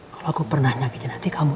kalo aku pernah nyakitin hati kamu ya